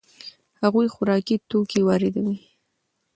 هغوی خوراکي توکي واردوي.